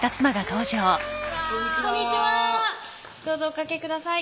どうぞおかけください